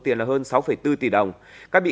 tiền là hơn sáu bốn tỷ đồng các bị